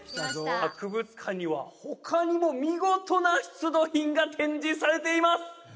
博物館には他にも見事な出土品が展示されています